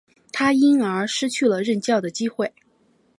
他因而失去了任教的机会。